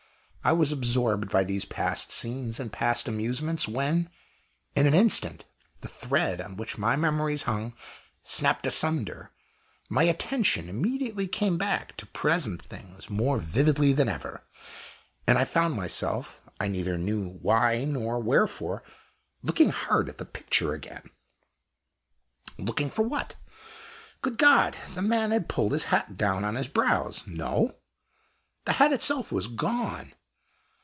I was absorbed by these past scenes and past amusements, when, in an instant, the thread on which my memories hung snapped asunder; my attention immediately came back to present things more vividly than ever, and I found myself, I neither knew why nor wherefore, looking hard at the picture again. Looking for what? Good God! the man had pulled his hat down on his brows! No! the hat itself was gone!